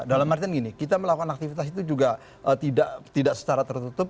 dalam artian gini kita melakukan aktivitas itu juga tidak secara tertutup